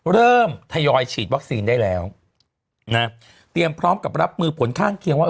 ทยอยฉีดวัคซีนได้แล้วนะเตรียมพร้อมกับรับมือผลข้างเคียงว่า